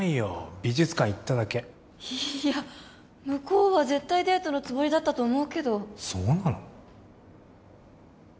美術館行っただけいや向こうは絶対デートのつもりだったと思うけどそうなの？